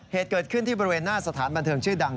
เหตุเกิดขึ้นที่บริเวณหน้าสถานบันเทิงชื่อดัง